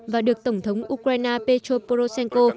và được tổng thống ukraine petro poroshenko